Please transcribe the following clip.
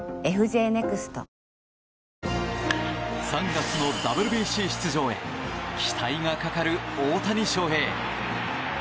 ３月のＷＢＣ出場へ期待がかかる大谷翔平。